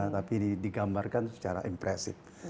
tapi digambarkan secara impresif